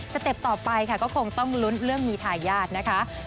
เต็ปต่อไปค่ะก็คงต้องลุ้นเรื่องมีทายาทนะคะ